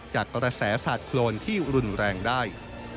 จากกระแสสาดโครนที่รุนแรงได้